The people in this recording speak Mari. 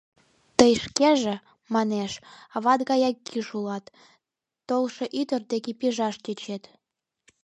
Тый шкеже, — манеш, — ават гаяк киш улат, толшо ӱдыр деке пижаш тӧчет.